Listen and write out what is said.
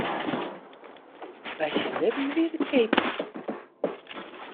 By syn libben wie er keapman.